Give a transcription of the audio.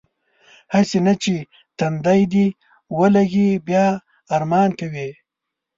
هسې نه چې تندی دې ولږي بیا ارمان کوې.